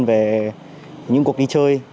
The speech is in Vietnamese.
về những cuộc đi chơi